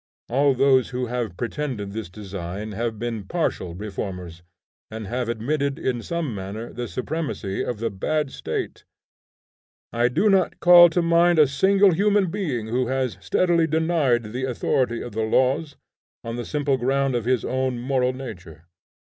All those who have pretended this design have been partial reformers, and have admitted in some manner the supremacy of the bad State. I do not call to mind a single human being who has steadily denied the authority of the laws, on the simple ground of his own moral nature.